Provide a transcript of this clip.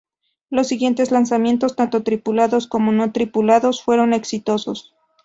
Los siguientes lanzamientos, tanto tripulados como no tripulados, fueron exitosos.